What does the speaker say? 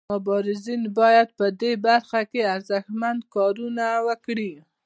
مبارزین باید په دې برخه کې ارزښتمن کارونه وکړي.